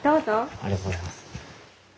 ありがとうございます。